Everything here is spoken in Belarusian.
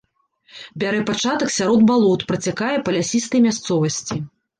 Бярэ пачатак сярод балот, працякае па лясістай мясцовасці.